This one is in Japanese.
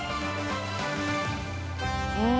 うん。